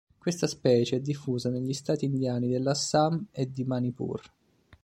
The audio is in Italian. Questa specie è diffusa negli stati indiani dell'Assam e di Manipur.